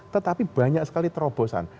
tetapi banyak sekali terobosan